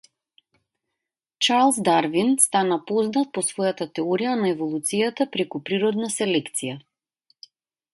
Чарлс Дарвин стана познат по својата теорија на еволуцијата преку природна селекција.